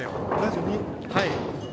はい。